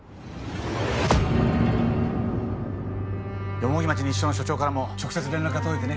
蓬町西署の署長からも直接連絡が届いてね。